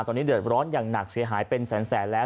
ตอนนี้เดือดร้อนอย่างหนักเสียหายเป็นแสนแล้ว